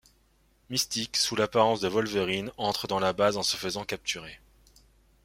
Mystique, sous l'apparence de Wolverine, entre dans la base en se faisant capturer.